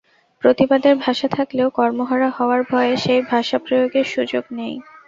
প্রতিবাদের ভাষা থাকলেও কর্মহারা হওয়ার ভয়ে সেই ভাষা প্রয়োগের সুযোগ নেই।